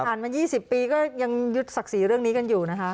มา๒๐ปีก็ยังยึดศักดิ์ศรีเรื่องนี้กันอยู่นะคะ